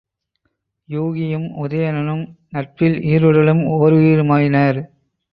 யூகியும் உதயணனும் நட்பில் ஈருடலும் ஒருயிருமாயினர்.